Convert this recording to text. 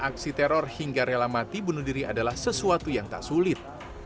aksi teror hingga rela mati bunuh diri adalah sesuatu yang tak sulit